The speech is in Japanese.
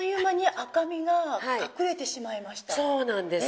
そうなんです。